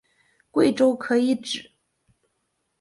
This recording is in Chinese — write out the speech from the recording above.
贵州可以指